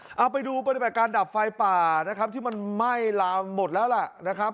เอาไปดูปฏิบัติการดับไฟป่านะครับที่มันไหม้ลามหมดแล้วล่ะนะครับ